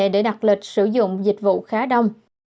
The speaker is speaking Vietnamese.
để đặt lịch sử dụng dịch vụ khá đông